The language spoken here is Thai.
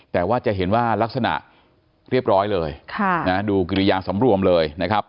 แต่ว่าจะเห็นว่ารักษณะเรียบร้อยเลยดูกิริยาสำรวมเลยนะครับ